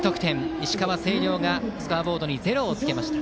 石川・星稜がスコアボードにゼロをつけました。